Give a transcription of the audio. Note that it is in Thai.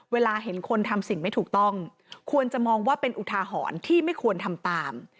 เวลาเห็นคนทำสิ่งไม่ถูกต้องควรจะมองว่าเป็นอุทาหรณ์ที่ไม่ควรทำตาม